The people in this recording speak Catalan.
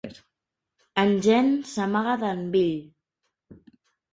En Jen s'amaga d'en Bill.